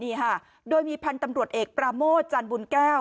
นี่ค่ะโดยมีพันธุ์ตำรวจเอกปราโมทจันบุญแก้ว